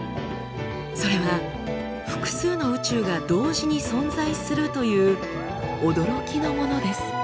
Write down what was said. それは複数の宇宙が同時に存在するという驚きのものです。